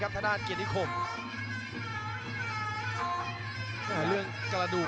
เจอสายครับนี่แหละครับเป็นมวยซ้ายจักครับดักจังหวะดี